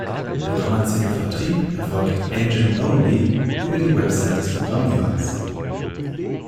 Der kommerzielle Vertrieb erfolgt "engine only" über die Webseite des Programmierers.